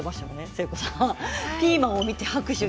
誠子さん、ピーマンを見て。